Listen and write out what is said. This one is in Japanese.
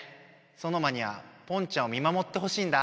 ソノマにはポンちゃんを見まもってほしいんだ。